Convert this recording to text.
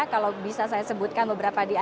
kalau bisa saya sebutkan beberapa di